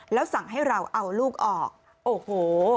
แล้วสั่งให้เราเอาลูกออกโอ้โห